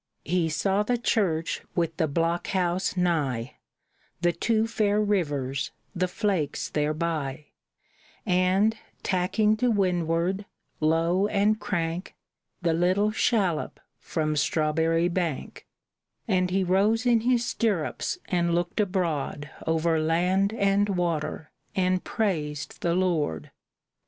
He saw the church with the block house nigh, The two fair rivers, the flakes thereby, And, tacking to windward, low and crank, The little shallop from Strawberry Bank; And he rose in his stirrups and looked abroad Over land and water, and praised the Lord.